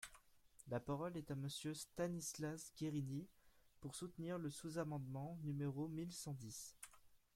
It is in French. La parole est à Monsieur Stanislas Guerini, pour soutenir le sous-amendement numéro mille cent dix.